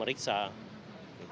jadi kita bisa meriksa